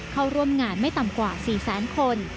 เข้าร่วมงานไม่ต่ำกว่า๔แสนคน